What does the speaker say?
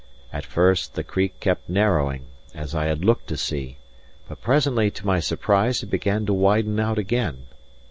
At first the creek kept narrowing as I had looked to see; but presently to my surprise it began to widen out again.